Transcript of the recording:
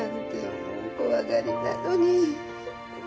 もう怖がりなのに。